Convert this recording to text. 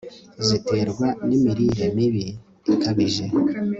ziterwa n'imirire mibi ikabije